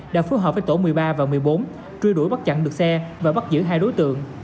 đã phối hợp với tổ một mươi ba và một mươi bốn truy đuổi bắt chặn được xe và bắt giữ hai đối tượng